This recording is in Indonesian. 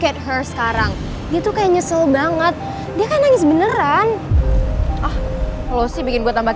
tunggu sebentar emel ya